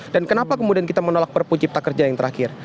dan kenapa kemudian kita menolak perpuncipta kerja yang terakhir